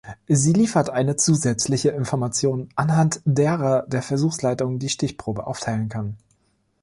Sie liefert eine zusätzliche Information anhand derer der Versuchsleiter die Stichprobe aufteilen kann.